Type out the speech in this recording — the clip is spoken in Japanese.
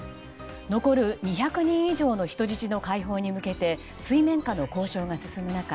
残る２００人以上の人質の解放に向けて水面下の交渉が進む中